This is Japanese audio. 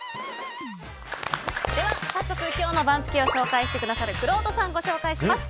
では早速今日の番付を紹介してくださるくろうとさんをご紹介します。